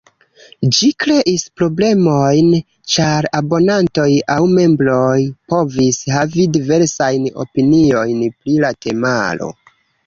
Ĝi kreis problemojn, ĉar abonantoj aŭ membroj povis havi diversajn opiniojn pri la temaro.